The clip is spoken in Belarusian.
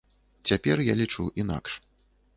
Цяпер я лічу інакш.